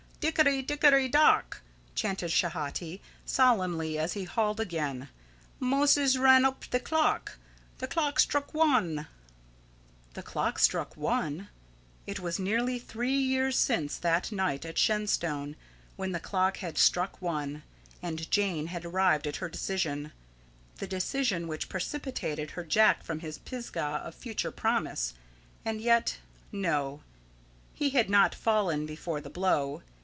"Dickery, dickery, dock!" chanted Schehati solemnly, as he hauled again; "Moses ran up the clock. The clock struck 'one' " THE CLOCK STRUCK "ONE"? It was nearly three years since that night at Shenstone when the clock had struck "one," and Jane had arrived at her decision, the decision which precipitated her Jack from his Pisgah of future promise. And yet no. He had not fallen before the blow.